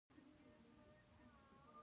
کلي د افغانستان د ښاري پراختیا یو سبب دی.